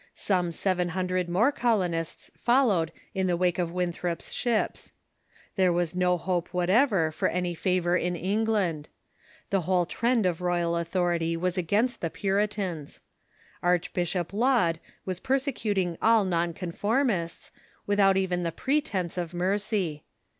Some seven hun dred more colonists followed in the wake of Winthrop's ships. There was no hope whatever for any favor in England. The whole trend of royal authority Avas against the Puritans. Archbishop Laud was persecuting all non conformists, with out even the pretence of mercy.